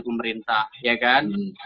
pemerintah ya kan